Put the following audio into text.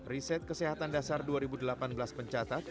riset kesehatan dasar dua ribu delapan belas mencatat